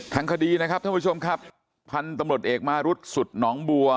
ทางคดีนะครับท่านผู้ชมครับพันธุ์ตำรวจเอกมารุษสุดหนองบัว